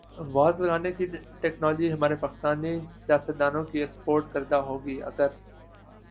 was لگانے کی technology ہمارے پاکستانی سیاستدا نوں کی ایکسپورٹ کردہ ہوگی اگر آ